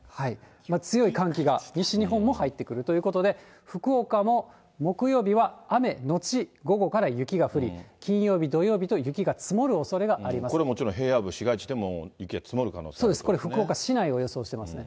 強い寒気が西日本も入ってくるということで、福岡も木曜日は雨後午後から雪が降り、金曜日、土曜日と雪が積もこれもちろん、平野部、そうです、これ福岡市内を予想してますね。